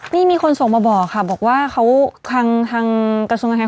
นี่มีคนส่งมาบอกค่ะบอกว่าเขาทางกระทรวงการค